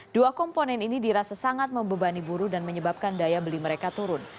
dua komponen ini dirasa sangat membebani buruh dan menyebabkan daya beli mereka turun